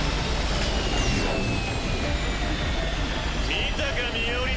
見たかミオリネ。